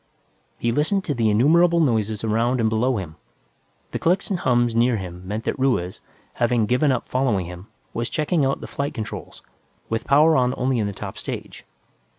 He listened to the innumerable noises around and below him. The clicks and hums near him meant that Ruiz, having given up following him, was checking out the flight controls, with power on only in the top stage.